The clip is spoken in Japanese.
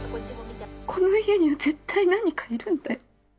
この家には絶対何かいるんだよ。